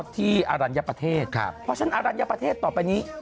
ที่อรัญญประเทศเพราะฉะนั้นอรัญญประเทศต่อไปนี้